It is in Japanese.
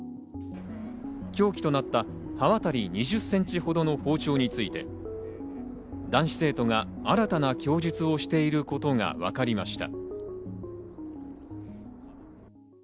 凶器となった刃渡り２０ｃｍほどの包丁について男子生徒が新たな供述をしていることがわかりました。